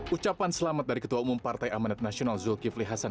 ucapan selamat dari ketua umum partai amanat nasional zulkifli hasan